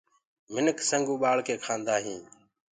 منک سنگ اُڀآݪ ڪي کآندآ هينٚ۔